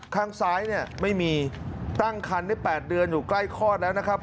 ข้างซ้ายเนี่ยไม่มีตั้งคันได้๘เดือนอยู่ใกล้คลอดแล้วนะครับ